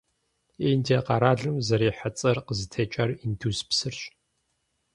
Индие къэралым зэрихьэ цӀэр къызытекӀар Индус псырщ.